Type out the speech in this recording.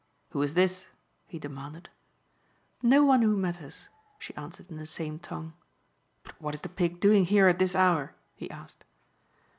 "Who is this?" he demanded. "No one who matters," she answered in the same tongue. "But what is the pig doing here at this hour?" he asked.